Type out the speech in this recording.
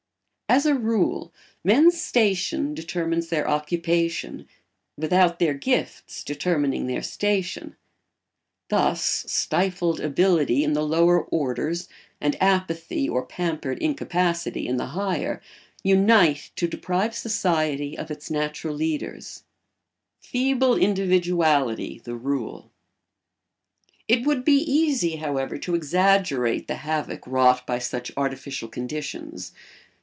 As a rule, men's station determines their occupation without their gifts determining their station. Thus stifled ability in the lower orders, and apathy or pampered incapacity in the higher, unite to deprive society of its natural leaders. [Sidenote: Feeble individuality the rule.] It would be easy, however, to exaggerate the havoc wrought by such artificial conditions.